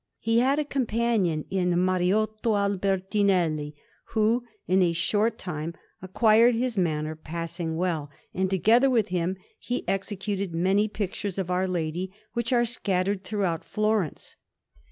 He had a companion in Mariotto Albertinelli, who in a short time acquired his manner passing well; and together with him he executed many pictures of Our Lady, which are scattered throughout Florence.